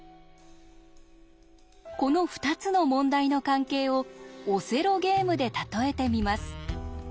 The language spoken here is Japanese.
この２つの問題の関係をオセロゲームで例えてみます。